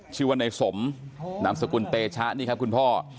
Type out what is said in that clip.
ชื่อว่าในสมนามสกุลเตชะนี่ครับคุณพ่อ